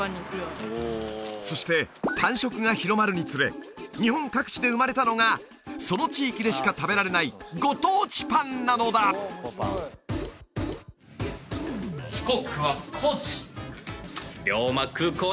そしてパン食が広まるにつれ日本各地で生まれたのがその地域でしか食べられないご当地パンなのだ四国は高知